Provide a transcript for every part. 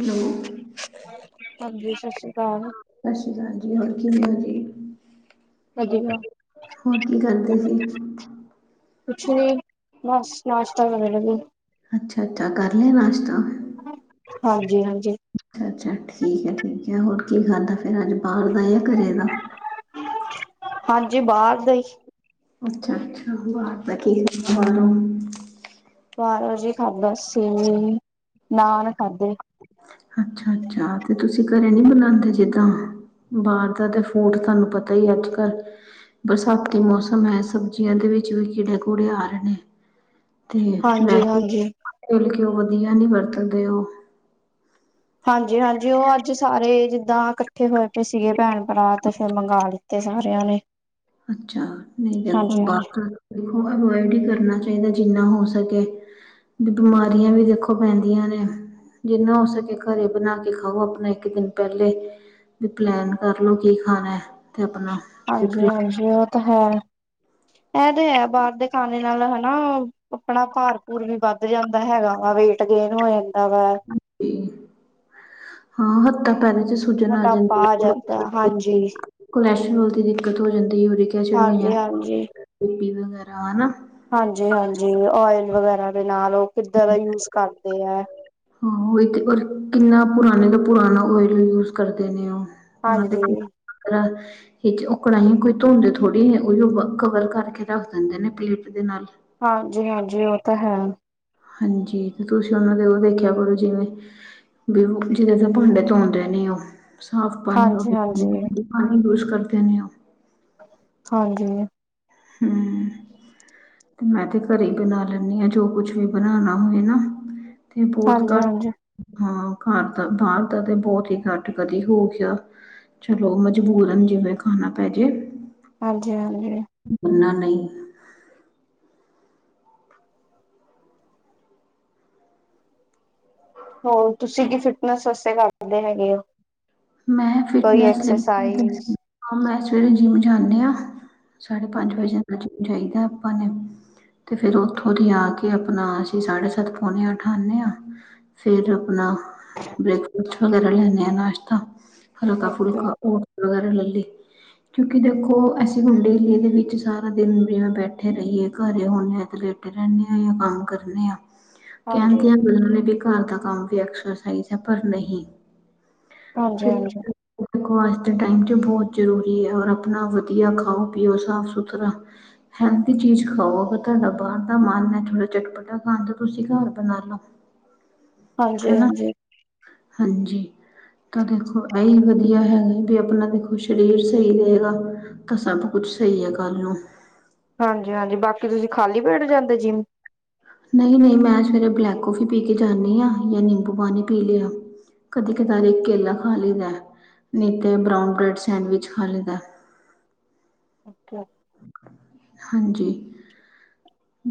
Hello. ਹਾਂਜੀ ਸਤਿ ਸ੍ਰੀ ਅਕਾਲ। ਸਤਿ ਸ਼੍ਰੀ ਅਕਾਲ ਜੀ, ਹੋਰ ਕੀ ਗੱਲ ਜੀ? ਵਧੀਆ ਹੋਰ ਕੀ ਕਰਦੇ ਸੀ? ਕੁਛ ਨੀ, ਬਸ ਨਾਸ਼ਤਾ ਕਰਨ ਲਗੀ। ਅੱਛਾ-ਅੱਛਾ, ਕਰ ਲਿਆ ਨਾਸ਼ਤਾ? ਹਾਂਜੀ-ਹਾਂਜੀ। ਅੱਛਾ-ਅੱਛਾ ਠੀਕ ਏ ਠੀਕ ਏ। ਹੋਰ ਕੀ ਖਾਂਦਾ ਫੇਰ ਅੱਜ ਬਾਹਰ ਦਾ ਘਰੇ ਦਾ? ਹਾਂਜੀ, ਬਾਰ ਦਾ ਈ। ਅੱਛਾ-ਅੱਛਾ ਬਾਰ ਦਾ ਕੀ ਖਾਂਦਾ ਬਾਰੋਂ? ਬਾਰਾ ਵਜੇ ਖਾਦਾ ਸੀ, ਨਾਨ ਖਾਧੇ। ਅੱਛਾ-ਅੱਛਾ, ਤੇ ਤੁਸੀਂ ਘਰੇ ਨਹੀ ਬਣਾਦੇ ਜਿੱਦਾਂ? ਬਾਰ ਦਾ ਤੇ ਫੂਡ ਤਾਨੂੰ ਪਤਾ ਹੀ ਅੱਜ-ਕੱਲ੍ਹ। ਬਰਸਾਤੀ ਮੌਸਮ ਹੈ, ਸਬਜ਼ੀਆਂ ਦੇ ਵਿੱਚ ਵੀ ਕੀੜੇ ਕੂੜੇ ਆ ਰਹੇ ਨੇ ਤੇ ਹਾਂਜੀ ਵੈਸੇ ਵੀ ਹਾਂਜੀ ਤਿਲ-ਕੇਓ ਵਧੀਆ ਨੀ ਵਰਤਦੇ ਓ ਹਾਂਜੀ-ਹਾਂਜੀ, ਉਹ ਅੱਜ ਸਾਰੇ ਜਿੱਦਾਂ ਇਕੱਠੇ ਹੋਏ ਪਏ ਸੀਗੇ ਪੈਣ-ਪਰਾ ਤੇ ਫਿਰ ਮੰਗਾ ਲਿੱਤੇ ਸਾਰਿਆਂ ਨੇ। ਅੱਛਾ, ਨਹੀਂ ਦੇਖੋ ਹਾਂਜੀ ਹਾਂਜੀ ਬਾਹਰ ਤੇ ਦੇਖੋ ਅਵੋਇਡ ਹੀ ਕਰਨਾ ਚਾਹੀਦਾ ਜਿੰਨਾ ਹੋ ਸਕੇ। ਵੀ ਬਿਮਾਰੀਆਂ ਵੀ ਦੇਖੋ ਪੈਂਦੀਆਂ ਨੇ ਜਿੰਨਾ ਹੋ ਸਕੇ ਘਰੇ ਬਣਾ ਕੇ ਖਾਓ ਆਪਣੇ ਇੱਕ ਦਿਨ ਪੈਲੇ। ਵੀ ਪਲੈਨ ਕਰਲੋ ਕੀ ਖਾਣਾ ਤੇ ਅਪਣਾ ਹਾਂਜੀ-ਹਾਂਜੀ ਉਹ ਤੇ ਹੈ, ਐ ਤੇ ਹੈ ਬਾਹਰ ਦੇ ਖਾਣੇ ਨਾਲ ਹੈਨਾ ਆਪਣਾ ਪਾਰ-ਪੂਰ ਵੀ ਵੱਧ ਜਾਂਦਾ ਹੈਗਾ ਵਾ ਵੇਟ ਗੇਨ ਹੋ ਜਾਂਦਾ ਵੈ ਹਾਂਜੀ, ਹਾਂ ਹੱਥਾਂ-ਪੈਰਾ ਚ ਸੁਜਨ ਆ ਮੋਟਾਪਾ ਜਾਂਦੀ ਆ ਹੈ ਜਾਂਦਾ ਹਾਂਜੀ। ਕੋਲੈਸਟਰੋਲ ਦੀ ਦਿੱਕਤ ਹੋ ਜਾਂਦੀ ਏ, ਯੂਰਿਕ ਐਸਿਡ ਹੋ ਹਾਂਜੀ ਹਾਂਜੀ [inaudible] ਬੀਪੀ ਵਗੈਰਾ ਹਨਾ ਹਾਂਜੀ-ਹਾਂਜੀ, ਓਇਲ ਵਗੈਰਾ ਦੇ ਨਾਲ ਉਹ ਕਿੱਦਾ ਦਾ ਯੂਜ਼ ਕਰਦੇ ਐ। ਹਾਂ, ਓਹੀ ਤੇ ਓਰ ਕਿੰਨਾ ਪੁਰਾਣੇ ਦਾ ਪੁਰਾਣਾ ਓਏਲ ਯੂਜ਼ ਕਰਦੇ ਨੇ ਓ- ਹਾਂ ਹਾਂਜੀ, ਦੇਖੋ [unintelligible] ਵੇਚ ਓ ਕੜਾਈ ਕੋਈ ਧੋਂਦੇ ਥੋੜ੍ਹੀ ਨੇ ਓਇਯੋ ਕਵਰ ਕਰਕੇ ਰੱਖ ਦਿੰਦੇ ਨੇ ਪਲੇਟ ਦੇ ਨਾਲ। ਹਾਂਜੀ-ਹਾਂਜੀ ਓ ਤਾਂ ਹੈ। ਹਾਂਜੀ ਤੁਸੀਂ ਓਨਾ ਦੇ ਉਹ ਦੇਖਿਆ ਕਰੋ। ਜਿਵੇਂ ਬੀਉ, ਜਿਦੇ ਤੇ ਪਾਂਡੇ ਤੌਂਨਦੇ ਨੀ ਓ ਸਾਫ਼ ਪਾਣੀ ਵਗ ਹਾਂਜੀ-ਹਾਂਜੀ, [inaudible] ਪਾਣੀ ਯੂਜ ਕਰਦੇ ਨੇ ਓ ਹਾਂਜੀ ਹੂੰ। ਮੈਂ ਤੇ ਘਰੇ ਹੀ ਬਣਾ ਲੈਂਨੀ ਆ ਜੋ ਕੁਛ ਵੀ ਬਣਾਣਾ ਹੋਏ ਨਾ ਤੇ ਬੋਤ ਕੱਟ ਹਾਂਜੀ-ਹਾਂਜੀ, ਹਾਂ ਘਰ ਦਾ, ਬਾਰ ਦਾ ਤੇ ਬੋਤ ਹੀ ਕੱਟ ਕਦੀ ਹੋ ਗਿਆ ਚਲੋ ਮਜ਼ਬੂਰਨ ਜਿਵੇਂ ਖਾਣਾ ਪੈ ਜੇ ਹਾਂਜੀ-ਹਾਂਜੀ। ਵਰਨਾ ਨਈ। ਹੋਰ ਤੁਸੀਂ ਕੀ ਫਿਟਨੈਸ ਵਾਸਤੇ ਕਰ ਦਿਂਦੇ ਹੈਗੇ ਹੋ? ਮੈਂ ਕੋਈ ਫਿਟਨਸ ਲਈ ਐਕਸਰਸਾਈਜ਼ [unintelligible] ਹਾ ਮੈਂ ਸਵੇਰੇ ਜਿੰਮ ਜਾਂਨੀ ਆ, ਸਾਢੇ ਪੰਜ ਵਜੇ ਜਿਮ ਜਾਈ ਦਾ ਆਪਾ ਨੇ ਤੇ ਫੇਰ ਉੱਥੋਂ ਦੀ ਆ ਕੇ ਅਪਣਾ, ਅਸੀਂ ਸਾਢੇ-ਸੱਤ, ਪੋਣੇ-ਆੱਠ ਆਨੇ ਆ ਫਿਰ ਆਪਣਾ ਬ੍ਰੇਕਫਾਸਟ ਵਗੈਰਾ ਲੈਂਨੇ ਆਂ ਨਾਸ਼ਤਾ ਓਕੇ-ਓਕੇ ਹਲਕਾ-ਫੁਲਕਾ ਓ ਵਗੈਰਾ ਲ ਲੀ ਕਿਉਂਕਿ ਦੇਖੋ ਅਸੀਂ ਹੁਨ ਡੇਲੀ ਦੇ ਵਿੱਚ ਸਾਰਾ ਦਿਨ ਜਿਵੇਂ ਬੈਠੇ ਰਹੀਏ ਘਰੇ ਹੁੰਨੇ ਆ ਤੇ ਰੈਣੇ ਯਾ ਕੰਮ ਕਰਨੇ ਆ। ਹਾਂਜੀ। ਕਹਿੰਦੇ ਆ ਕਈ ਜਨੇ ਵੀ ਘਰ ਦਾ ਕੰਮ ਵੀ ਐਕਸਰ ਸਾਈਜ ਹੈ ਪਰ ਨਹੀਂ। [unintelligible] ਹਾਂਜੀ-ਹਾਂਜੀ, ਦੇਖੋ ਅੱਜ ਦੇ ਟਾਈਮ ਚ ਬੋਤ ਜ਼ਰੂਰੀ ਐ ਔਰ ਆਪਣਾ ਵਧੀਆ ਖਾਓ ਪੀਓ ਸਾਫ਼-ਸੁਥਰਾ। ਹੈਲਦੀ ਚੀਜ਼ ਖਾਓ ਪਤਾ ਬਾਹਰ ਦਾ ਮਾਲ ਨੈਟ ਰਿਜੈਕਟ ਹੁੰਦਾ। ਜੇੜਾ ਖਾਂਦੇ ਓ ਤੁਸੀਂ ਘਰ ਬਣਾਾਲੋ। ਹਾਂਜੀ-ਹਾਂਜੀ। ਹਾਂਜੀ। ਤਾਂ ਦੇਖੋ ਐਹੀ ਵਧੀਆ ਹੈਗਾ ਵੀ ਆਪਣਾ ਦੇਖੋ ਸ਼ਰੀਰ ਸਹੀ ਰਹੇਗਾ। ਤਾਂ ਸਭ ਕੁੱਛ ਸਹੀ ਹੈ ਕੱਲ ਨੂੰ ਹਾਂਜੀ-ਹਾਂਜੀ ਬਾਕੀ ਤੁਸੀਂ ਖਾਲੀ ਪੇਟ ਜਾਂਦੇ ਜਿਮ ਨਈ-ਨਈ ਮੈਂ ਸਵੇਰੇ ਬਲੈਕ ਕੌਫੀ ਪੀ ਕੇ ਜਾਂਣੀ ਹਾਂ ਜਾਂ ਨਿੰਬੂ ਪਾਣੀ ਪੀ ਲਿਆ। ਕਦੀ ਕਤਾਰੀ ਕੇਲਾ ਖਾ ਲਈਦਾ ਨਈਤੇ ਬਰਾਊਨ ਬ੍ਰੈਡ ਸੈਂਡਵਿਚ ਖਾ ਲਈਦਾ। ਹਾਂਜੀ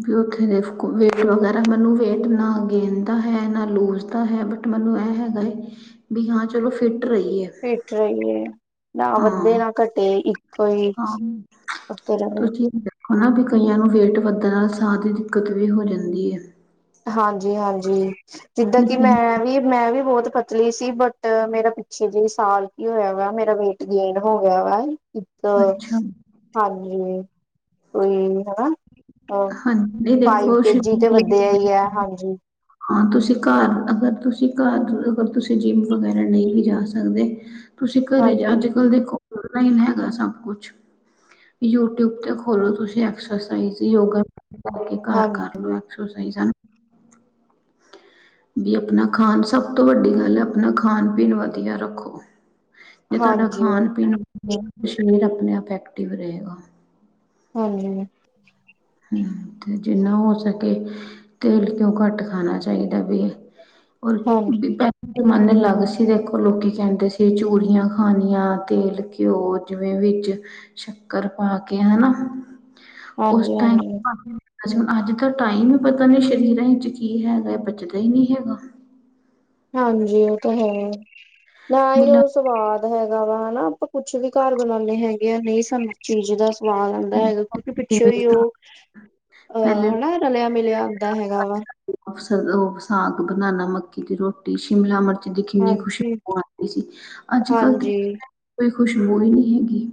ਵੀ ਉੱਥੇ ਦੇ ਵੇਟ ਵਗੈਰਾ ਮੈਨੂੰ ਵੇਟ ਨਾ ਗੇਨ ਦਾ ਹੈ ਨਾ ਲੂਜ ਦਾ ਹੈ ਬਟ ਮੈਨੂੰ ਇਹ ਹੈਗਾ ਵੀ ਹਾਂ ਚਲੋ ਫਿਟ ਰਹੀਏ। ਫਿੱਟ ਰਹੀਏ ਨਾ ਹਾਂ ਵੱਧੇ ਨਾ ਘਟੇ ਇੱਕੋ ਹੀ ਉਤੇ ਰਏ। ਹਨਾ ਵੀ ਕਈਆਂ ਨੂੰ ਵੇਟ ਵੱਧਣ ਨਾਲ ਸਾਹ ਦੀ ਦਿੱਕਤ ਵੀ ਹੋ ਜਾਂਦੀ ਹੈ। ਹਾਂਜੀ-ਹਾਂਜੀ ਜਿੱਦਾਂ ਕਿ ਨਿੱਕੇ ਮੈਂ ਨਿੱਕੇ- ਵੀ ਮੈਂ ਵੀ ਬਹੁਤ ਪਤਲੀ ਸੀ ਬਟ ਮੇਰਾ ਪਿੱਛੇ ਜੇ ਸਾਲ ਕੀ ਹੋਇਆ ਵ ਮੇਰਾ ਵੇ ਗੇਨ ਹੋ ਗਿਆ ਵਾ। ਅੱਛਾ ਹਾਂਜੀ ਕੋਈ ਹਨਾ। ਹਾਂਜੀ ਨਹੀਂ ਫਾਈਵ ਦੇਖੋ ਕੇ ਜੀ ਤੇ ਸਰੀਰ ਲਈ ਵਧਿਆ ਈ ਐ ਹਾਂਜੀ। ਹਾਂ ਤੁਸੀਂ ਘਰ ਅਗਰ ਤੁਸੀਂ ਘਰ ਅਗਰ ਤੁਸੀਂ ਜਿੰਮ ਵਗੈਰਾ ਨਈ ਵੀ ਜਾ ਸਕਦੇ। ਤੁਸੀਂ ਘਰੇ ਜਾ ਹਾਂਜੀ, ਅੱਜ ਕੱਲ੍ਹ ਦੇਖੋ ਹੀ ਹੈਗਾ ਸਭ ਕੁਛ ਯੂਟਿਊਬ ਤੇ ਖੋਲੋ ਤੁਸੀਂ ਐਕਸਰਸਾਈਜ਼ ਯੋਗਾ ਕਰਕੇ ਹਾਂ, ਘਰ ਕਰ ਲਓ ਐਕਸਰਸਾਈਜ਼ਾਂ ਵੀ ਆਪਣਾ ਖਾਣ ਸਭ ਤੋਂ ਵੱਡੀ ਗੱਲ ਹੈ ਆਪਣਾ ਖਾਣ ਪੀਣ ਵਧੀਆ ਰੱਖੋ। ਜੇ ਤੁਹਾਡਾ ਹਾਂਜੀ, ਖਾਣ ਪੀਣ ਸਰੀਰ ਆਪਣੇ ਆਪ ਐਕਟਿਵ ਰਹੇਗਾ। ਹਾਂਜੀ ਜਿੰਨਾ ਹੋ ਸਕੇ ਤੇਲ ਕਿਉਂ ਘੱਟ ਖਾਣਾ ਚਾਹੀਦਾ ਵੀ ਹੋਰ ਹਾਂਜੀ। ਦਿਤਾ। ਮਨ ਲੱਗ ਸੀ ਦੇਖੋ ਲੋਕੀ ਕੈਂਦੇ ਸੀ ਚੂਰੀਆਂ ਖਣੀਆਂ ਤੇਲ ਘਿਓ ਜਿਵੇਂ ਵਿੱਚ ਸ਼ੱਕਰ ਪਾ ਕੇ ਹਨਾ। ਹਾਂਜੀ-ਹਾਂਜੀ ਅੱਜਕਲ ਦਾ ਟਾਈਮ ਹੀ ਪਤਾ ਨੀ ਸਰੀਰਾਂ 'ਚ ਕੀ ਹੈਗਾ ਹੈ ਬਚਦਾ ਹੀ ਨਈ ਹੈਗਾ। ਹਾਂਜੀ ਓ ਤਾਂ ਹੈ ਨਾ ਹੀ ਮਿਲਾ ਓ ਸਵਾਦ ਹੈਗਾ ਵਾ ਹਨਾ ਆਪਾਂ ਕੁਛ ਵੀ ਘਰ ਬਣਾਣੇ ਹੈਗੇ ਆ ਨਈ ਸਾਨੂੰ ਚੀਜ਼ ਦਾ ਸਵਾਦ ਆਂਦਾ ਹੈਗਾ ਕਿਉਂਕਿ ਪਿੱਛੇ ਕਿਵੇਂ ਹੀ ਸਾ- ਓ ਆ ਪਹਿਲੇ ਹਨਾ। ਰਲਿਆ ਮਿਲਿਆ ਹੁੰਂਦਾ ਹੈਗਾ ਵਾ। ਅਕਸਰ ਓ ਸਾਗ ਬਨਾ ਮੱਕੀ ਦੀ ਰੋਟੀ, ਸ਼ਿਮਲਾ ਮਿਰਚ ਦ ਇਨੀ ਹਾਂਜੀ, ਖੁਸ਼ਬੂ ਆਂਦੀ ਸੀ ਅੱਜ ਕੱਲ੍ਹ ਹਾਂਜੀ, ਕੋਈ ਖੁਸ਼ਬੂ ਨਈ ਹੈਗੀ।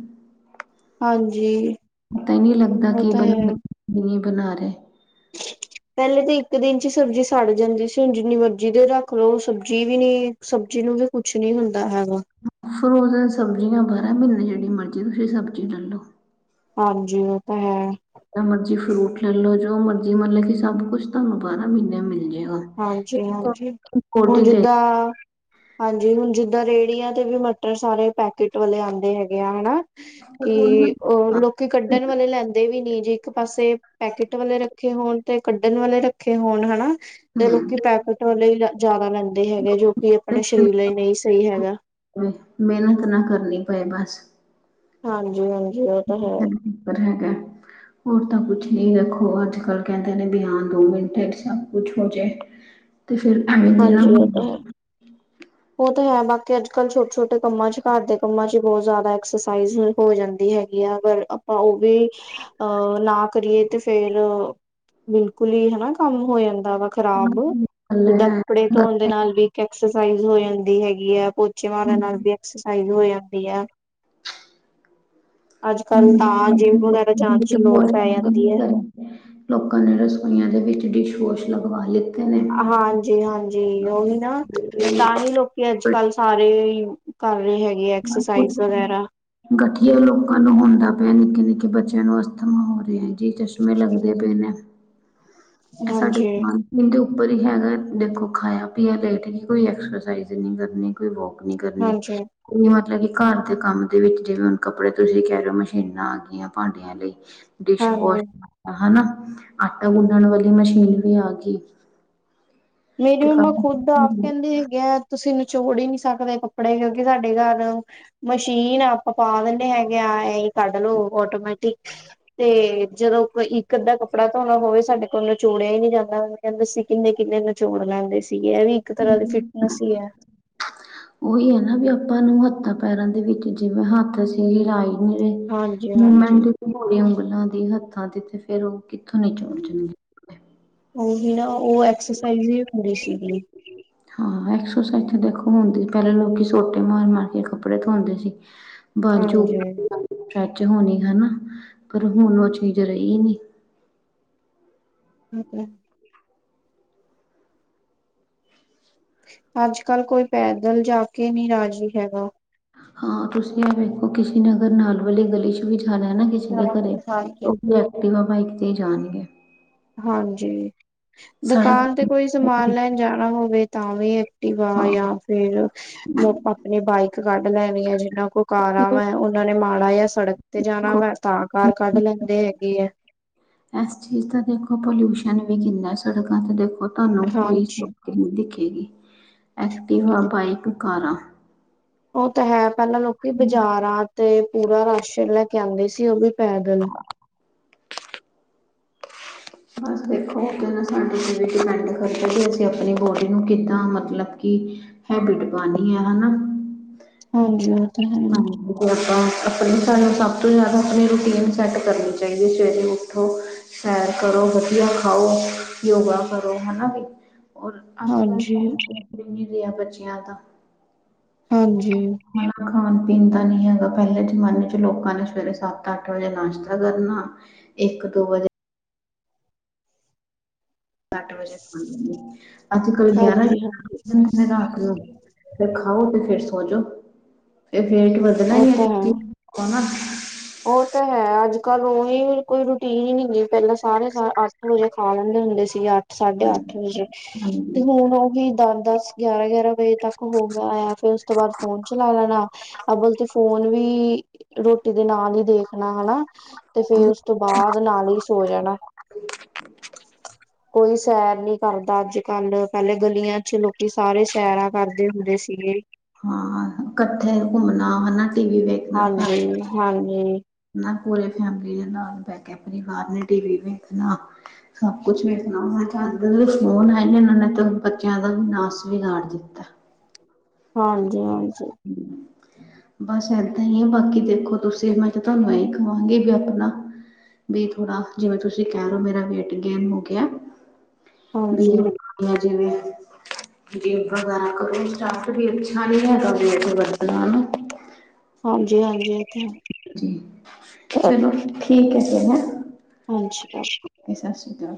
ਹਾਂਜੀ ਪਤਾ ਹੀ ਨਈ ਲੱਗਦਾ ਉਹ ਕਿ ਤਾਂ ਬ ਹੈ। ਬਣਾ ਰਏ। ਪੈਲੇ ਤਾਂ ਇੱਕ ਦਿਨ 'ਚ ਸਬਜ਼ੀ ਸੜ ਜਾਂਦੀ ਸੀ ਹੁਣ ਜਿੰਨੀ ਮਰਜੀ ਰੱਖ ਲਓ ਸਬਜ਼ੀ ਵੀ ਨਈ ਸਬਜ਼ੀ ਨੂੰ ਵੀ ਕੁਛ ਨੀ ਹੁੰਦਾ ਹੈਗਾ। ਫਰੋਜਨ ਸ਼ਬਜ਼ੀਆਂ ਬਾਰਾਂ ਮ੍ਹੀਨੇ ਜਿਹੜੀ ਮਰਜ਼ੀ ਤੁਸੀਂ ਸਬਜ਼ੀ ਲੈਲੋ। ਹਾਂਜੀ ਓ ਤੇ ਹੈ। ਜੋ ਮਰਜੀ ਫਰੂਟ ਲੈ ਲਓ ਜੋ ਮਰਜੀ ਮਤਲਬ ਕਿ ਸਭ ਕੁੱਛ ਤੁਹਾਨੂੰ ਬਾਰਾਂ ਮ੍ਹੀਨੇ ਮਿਲ ਜਾਏਗਾ। ਹਾਂਜੀ-ਹਾਂਜੀ ਹੁਣ ਜਿੱਦਾਂ ਹਾਂਜੀ ਹੁਣ ਜਿੱਦਾਂ ਰੇਹੜੀਆਂ ਤੇ ਵੀ ਮਟਰ ਸਾਰੇ ਪੈਕਟ ਵਾਲੇ ਆਂਦੇ ਹੈਗੇ ਆ ਹਨਾ। ਕਿ ਓ ਲੋਕ ਕਿ ਕੱਢਣ ਵਾਲੇ ਲੈਂਦੇ ਵੀ ਨਹੀਂ ਜੇ ਇੱਕ ਪਾਸੇ ਪੈਕਟ ਵਾਲੇ ਰੱਖੇ ਹੋਣ ਤੇ ਕੱਢਣ ਵਾਲੇ ਰੱਖ ਕੇ ਹੋਣ ਹਨਾ। ਤੇ ਲੋਕੀ ਪੈਕਟ ਲਈ ਜਾਦਾ ਲੈਂਦੇ ਹੈਗੇ ਜੋ ਕਿ ਆਪਣੇ ਸਰੀਰ ਲਈ ਨਈ ਸਹੀ ਹੈਗਾ। ਹੂੰ ਮਿਹਨਤ ਨਾ ਕਰਨੀ ਪਏ ਬਸ ਹਾਂਜੀ-ਹਾਂਜੀ ਉਹ ਤਾਂ ਹੈ [inaudible] ਹੋਰ ਤਾਂ ਕੁਛ ਨੀ ਵੇਖੋ ਆੱਜ-ਕਾੱਲ ਕੈਂਦੇ ਨੇ ਵੀ ਹਾਂ ਦੋ ਮਿੰਟਾਂ ਚ ਸਬ ਕੁਛ ਹੋ ਜਏ। ਹੂੰ। ਤੇ ਫੇਰ ਐ ਹਾਂਜੀ, ਓ ਤਾਂ ਹੈ। [inaudible] ਓ ਤਾਂ ਹੈ ਬਾਕੀ ਆੱਜ-ਕਾੱਲ ਛੋਟ, ਛੋਟੇ ਕੰਮਾਂ ਚ ਘਾਰ ਦੇ ਕੰਮਾਂ ਚ ਬੋਤ ਜਾਦਾ ਐਕਸਰਸਾਈਜ਼ ਹੋ ਜਾਂਦੀ ਹੈ। ਜੇ ਅਗਰ ਆਪਾਂ ਓ ਵੀ, ਅ ਨਾ ਕਰੀਏ ਤੇ ਫੇਰ ਬਿਲਕੁਲ ਈਂ ਹਨਾ ਕੰਮ ਹੋ ਜਾਂਦਾ ਵਾ ਖ਼ਰਾਬ। ਜਿੱਦਾਂ ਕੱਪੜੇ ਧੋਣ ਦੇ ਨਾਲ ਵੀ ਇੱਕ ਐਕਸਸਾਈਜ਼ ਹੋ ਜਾਂਦੀ ਹੈਗੀ ਆ। ਪੋਚੇ ਮਾਰਨ ਨਾਲ ਵੀ ਐਕਸਸਾਈਜ਼ ਹੋ ਜਾਂਦੀ ਆ। ਆੱਜ-ਕਾੱਲ ਤਾਂ ਜਿੰਮ ਵਗੈਰਾ ਜਾਨ ਤੇ ਚ ਲੋੜ ਬਹੁਤ ਪੈ ਜਾਂਦੀ ਐ। ਸਾਰੇ ਲੋਕਾਂ ਨੇ ਰਸੋਈਆਂ ਦੇ ਵਿੱਚ ਡਿਸ਼ ਵੋਸ਼ ਲਗਵਾ ਲੇ। ਹਾਂਜੀ-ਹਾਂਜੀ, ਓਹੀ ਨਾ ਤਾਂ ਹੀ ਲੋਕੀ ਅੱਜ-ਕੱਲ ਸਾਰੇ। ਕਰ ਰਹੇ ਹੈਗੇ ਐਕਸਰਸਾਈਜ਼ ਵਗੈਰਾ [inaudible] ਗਠੀਆ ਲੋਕਾਂ ਨੂੰ ਹੁੰਦਾ ਪੇਆ, ਨਿੱਕੇ-ਨਿੱਕੇ ਬੱਚੇਆਂ ਨੂੰ ਅਸਥਮਾ ਹੋ ਰੇਆ ਏ। ਕਈ ਚਸ਼ਮੇ ਲੱਗਦੇ ਪਏ ਨੇ। ਏ ਸਾਡੇ ਹਾਂਜੀ, ਦਿਮਾਗ। ਏਦੇ ਉੱਪਰ ਹੀ ਹੈਗਾ ਦੇਖੋ ਖਾਏਆ ਪਿਆ ਲੇਟ ਗਈ ਕੋਈ ਐਕਸਰਸਾਈਜ ਨਈ ਕਰਨੀ ਕੋਈ ਵੋਕੀਂ ਨੀ ਕਰਨੀ ਹਾਂਜੀ, ਕੋਈ ਮਤਲਬ ਕਿ ਘਾਰ ਦੇ ਕੰਮ ਦੇ ਵਿੱਚ ਜਿਵੇਂ ਹੁਣ ਕੱਪੜੇ ਤੁਸੀਂ ਕੈਰੇ ਓ ਮਸ਼ੀਨਾਂ ਆ ਗੀਆਂ ਭਾਂਡੇਆਂ। ਲਈ ਡਿਸ਼ਵੋਸ਼ ਹਾਂਜੀ। ਹਨਾ ਆਟਾ ਗੁਨਣ ਵਾਲੀ ਮਸ਼ੀਨ ਵੀ ਆ ਗਈ। ਮੇਰੀ ਤੇ ਮੰਮਾ ਕੰਮ ਖੁਦ ਆਪ ਕੈਂ ਦੇ ਹੈਗੇ ਆ। ਤੁਸੀਂ ਨਿਚੋੜ ਈ ਨੀ ਸਕਦੇ ਕੱਪੜੇ ਕੇਓਕਿ ਸਾਡੇ ਘਾਰ ਮਸ਼ੀਨਾ ਆਪਾਂ ਪਾ ਲੈਨੇ ਹੈਗੇ ਆਂ, ਏ ਕੱਡ ਲੋ ਔਟੋਮੈਟਿਕ। ਤੇ, ਜਦੋਂ ਕੋਈ ਇੱਕ ਅੱਦਾ ਕੱਪੜਾ ਧੋਨਾ ਹੋਵੇ ਸਾਡੇ ਕੋਲ ਨਚੋੜੇਆ ਈ ਨੀ ਜਾਂਦਾ ਮੰਮੀ ਕੈਂਦੇ ਅਸੀਂ ਕਿੰਨੇ-ਕਿੰਨ ਜੋਰ ਲੌਂਦੇ ਸੀਗੇ ਏ ਵੀ ਇੱਕ ਤਰ੍ਹਾਂ ਦੀ ਫਿਟਨੇਸ ਈ ਐ। ਓਈ ਆ ਨਾ ਵੀ ਆਪਾਂ ਨੂੰ ਹੱਥਾਂ ਪੈਰਾਂ ਦੇ ਵਿੱਚ ਜਿਵੇਂ ਹੱਥ ਅਸੀਂ ਹਿਲਾਏ ਓਰ ਹਾਂਜੀ, ਮੂਮੰਟ। ਹਾਂਜੀ। [unintelligible] ਹੱਥਾਂ ਦੀ ਤੇ ਫੇਰ ਓ ਕਿੱਥੋਂ ਨਿਚੋੜ ਜਨ ਓਹੀ ਨਾ ਓ ਐਕਸਰਸਾਈਜ਼ ਈ ਏ ਪੂਰੀ ਸੀਗੀ। [inaudible] ਹਾਂ, ਐਕਸਰਸਾਈਜ਼ ਤਾਂ ਦੇਖੋ ਹੁੰਦੀ ਸੀ ਪੈਲੇ ਲੋਕੀਂ ਸੋਟੇ ਮਾਰ-ਮਾਰ ਕੇ ਕੱਪੜੇ ਧੋਂਦੇ ਸੀ। ਬਾਜੂ ਹਾਂਜੀ। [unintelligible] ਹਣਾ ਪਰ ਹੁਣ ਓ ਚੀਜ ਰਈ ਨੀ। [inaudible] ਆੱਜ-ਕਾੱਲ ਕੋਈ ਪੈਦਲ ਜਾ ਕੇ ਨੀ ਰਾਜੀ ਹੈਗਾ। ਹਾਂ, ਤੁਸੀਂ ਐ ਵੇਖੋ ਕਿਸੀ ਨੇ ਅਗਰ ਨਾਲ ਵਾਲੀ ਗਲੀ 'ਚ ਵੀ ਜਾਨਾ ਐ ਨਾ ਕਿਸੇ ਦੇ ਸਾਰਾ ਘਰੇ, ਕੁਝ ਤੇ ਹਾਂਜੀ। ਓ [unintelligible] ਐਕਟਿਵਾ, ਬਾਈਕ ਤੇ ਈ ਜਾਨਗੇ। ਹਾਂਜੀ, ਦੁਕਾਨ ਤੇ ਕੋਈ ਸਮਾਨ ਲੈਣ ਜਾਣਾ ਹੋਵੇ ਤਾਂ ਵੀ ਐਕਟਿਵਾ ਹਾਂ ਯਾ ਫੇਰ, ਵ ਆਪਨੀ ਬਾਈਕ ਕਾੱਡ ਲੈਨੀ ਆ ਜਿਨਾਂ ਕੋਲ ਇਹ ਕਾਰਾਂ ਵਾ ਓਨਾਂ ਨੇ ਮਾੜਾ ਜਾਂ ਸੜਕ ਤੇ ਜਾਨਾ ਦੇਖੋ, ਵਾ ਤਾਂ ਕਾਰ ਕਾੱਢ ਲੈਂਦੇ ਹੈਗੇ ਐ। ਐਸ ਚੀਜ਼ ਦਾ ਦੇਖੋ ਪੋਲਿਊਸ਼ਨ ਵੀ ਕਿੰਨਾ ਸੜਕਾਂ ਤੇ ਦੇਖੋ ਤੁਹਾਨੂੰ ਕੋਈ ਹਾਂਜੀ [unintelligible] ਦਿਖੇਗੀ ਐਕਟਿਵਾ, ਬਾਈਕ, ਕਾਰਾਂ। ਓ ਤਾ ਹੈ, ਪੈਲਾਂ ਲੋਕੀ ਬਜਾਰਾ ਤੇ ਪੂਰਾ ਰਾਸ਼ਨ ਲੈ ਕੇ ਆਂਦੇ ਸੀ ਓ ਵੀ ਪੈਦਲ। ਬਸ ਦੇਖੋ ਓ ਕੈਂਦੇ ਸਾਡੀ ਤੇ ਡਿਪੈਂਡ ਕਰਦਾ ਕਿ ਅਸੀਂ ਆਪਨੀ ਬੋਡੀ ਨੂੰ ਕਿੱਦਾਂ ਮਤਲਬ ਕਿ ਹੈਬਿਟ ਪਾਉਣੀ ਆ ਨਾ, ਉਹ ਤਾਂ ਹੈ। ਹਾਂਜੀ ਹੁਣ ਤਾਂ ਆਪਣੀ ਸਾਨੂੰ ਸਭ ਤੋਂ ਜ਼ਿਆਦਾ ਆਪਣੀ ਰੂਟੀਨ ਸੈੱਟ ਕਰਨੀ ਚਾਹੀਦੀ ਹੈ ਸਵੇਰੇ ਉੱਠੋ ਸੈਰ। ਕਰੋ ਵਧੀਆ ਖਾਓ ਯੋਗਾ ਕਰੋ ਹਨਾ ਵੀ। ਔਰ ਅੱਜ ਕੱਲ ਹਾਂਜੀ, ਜਨਾਨੀਆਂ ਵੀ ਬਿਨੀਦਿਆ ਬੱਚਿਆਂ ਦਾ। ਹਾਂਜੀ। ਮੇਨ ਨਾ ਖਾਣਾ ਪੀਣ ਦਾ ਨੀ ਹੈਗਾ ਪਹਿਲੇ ਜ਼ਮਾਨੇ ਚ ਲੋਕਾਂ ਨੇ ਸਵੇਰੇ ਸੱਤ ਅੱਠ ਵਜੇ ਨਾਸ਼ਤਾ ਕਰ ਲੈਣਾ। ਇਕ, ਦੋ ਵਜੇ। ਅੱਠ ਵਜੇ ਖਾਲੇ ਨੇ, ਅੱਜ ਕੱਲ ਗਿਆਰਾਂ ਹਾਂਜੀ, ਹਾਂ ਸਵਾ ਗਿਆਰਾਂ ਵੱਜ ਜਾਂਦੇ ਨੇ। ਫੇਰ ਰਾਤ ਨੂੰ, ਤੇ ਖਾਓ ਤੇ ਫੇਰ ਸੋ ਜੋ, ਤੇ ਫੇਰ [unintelligible] ਉਹ ਤਾਂ ਹੈ। ਉਹ ਤਾਂ ਹੈ ਅੱਜ ਕੱਲ੍ਹ ਉਈ ਕੋਈ ਰੂਟੀਨ ਨੀ ਹੈਗੀ ਪਹਿਲਾ ਸਾਰੇ ਸ ਅੱਠ ਵਜੇ ਖਾ ਲੈਂਦੇ ਹੁੰਦੇ ਸੀ ਅ ਸਾਢੇ ਹਾਂਜੀ ਅੱਠ ਵਜੇ, ਤੇ ਹੁਣ ਉਹੀ ਦਸ-ਦਸ ਗਿਆਰਾ-ਗਿਆਰਾ ਵਜੇ ਤੱਕ ਹੋ ਗਿਆ ਆ ਫੇਰ ਉਸ ਤੋਂ ਬਾਅਦ ਫੋਨ ਚਲਾ ਲੈਣਾ। ਅਬਲ ਤੇ ਫੋਨ ਵੀ, ਰੋਟੀ ਦੇ ਨਾਲ ਈ ਦੇਖਣਾ ਹਨਾ, ਤੇ ਫੇਰ ਉਸ ਤੋਂ ਬਾਅਦ ਨਾਲ ਈ ਸੋ ਜਾਨਾਂ। [inaudible] ਕੋਈ ਸੈਰ ਨੀ ਕਰਦਾ ਅੱਜ ਕੱਲ ਪਹਿਲੇ ਗਲੀਆਂ ਚ ਲੋਕੀ ਸਾਰੇ ਸੈਰਾਂ ਕਰਦੇ ਹੁੰਦੇ ਸੀਗੇ। ਹਾਂ। ਕੱਠੇ ਘੁੰਮਣਾ ਹਨਾ ਟੀ ਵੀ ਵੇਖ ਹਾਂਜੀ-ਹਾਂਜੀ। ਹਨਾ ਪੂਰੇ ਫੈਮਿਲੀ ਦੇ ਨਾਲ ਬਹਿ ਕੇ ਪਰਿਵਾਰ ਨੇ ਟੀ ਵੀ ਵੇਖਣਾ। ਸਭ ਕੁਛ ਵੇਖਣਾ। ਜਦ ਦੇ ਫੋਨ ਆਏ ਨੇ ਨਾ ਇਨਾਂ ਨੇ ਤੇ ਬੱਚਿਆਂ ਦਾ ਨਾਸ ਵੀ ਮਾਰ ਦਿੱਤਾ। ਹਾਂਜੀ-ਹਾਂਜੀ। [inaudible] ਬਸ ਏਦਾਂ ਈ ਏ। ਬਾਕੀ ਦੇਖੋ ਤੁਸੀਂ ਮੈਂ ਤੇ ਤੁਆਨੂੰ ਐਈ ਕਵਾਂਗੀ ਵੀ ਆਪਣਾ ਵੀ ਥੋੜਾ ਜਿਵੇਂ ਤੁਸੀਂ ਕਹਿ ਰੇ ਓ ਮੇਰਾ ਵੇਟ ਗੇਨ ਹੋ ਗਿਆ, ਵੀ ਹਾਂਜੀ ਹੈ ਜਿਵੇਂ, ਵਗੈ ਕਪ ਸਟਾਟ ਵੀ ਅੱਛਾ ਨੀ ਹੈਗਾ ਵੇਟ ਵੱਧ ਦਾ ਨਾ ਹਾਂਜੀ-ਹਾਂਜੀ, ਏ ਤੇ ਹੈ। ਜੀ, ਚਲੋ ਠੀਕ ਫੇਰ ਹੈਂ। ਨਮਸ਼ਕਾਰ। ਓਕ ਸੀ ਸ਼੍ਰੀ ਕਾਲ।